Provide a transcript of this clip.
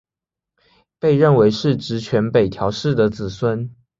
被认为是执权北条氏的子孙。